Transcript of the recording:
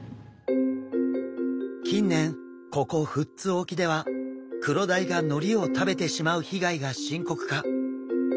近年ここ富津沖ではクロダイがのりを食べてしまう被害が深刻化。